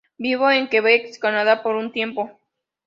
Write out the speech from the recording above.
Vivió en Quebec, Canadá por un tiempo.